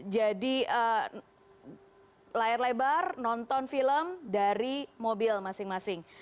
jadi layar lebar nonton film dari mobil masing masing